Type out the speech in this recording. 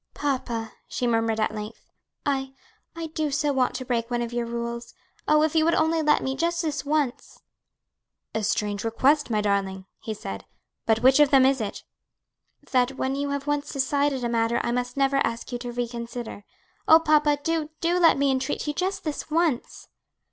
"Papa," she murmured at length. "I I do so want to break one of your rules; oh, if you would only let me, just this once!" "A strange request, my darling," he said, "but which of them is it?" "That when you have once decided a matter I must never ask you to reconsider. Oh, papa, do, do let me entreat you just this once!"